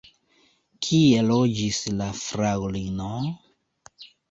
Kie loĝis la fraŭlino?